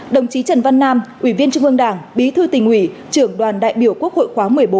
đồng chí trần văn nam ủy viên trung ương đảng bí thư tỉnh ủy trưởng đoàn đại biểu quốc hội khóa một mươi bốn